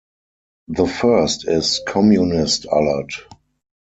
The first is Communist Alert!